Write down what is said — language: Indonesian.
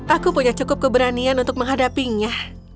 aku punya cukup keberanian untuk menghadapinya